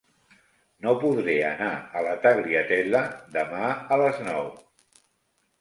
No podré anar a la Tagliatella demà a les nou.